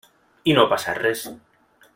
I no passa res.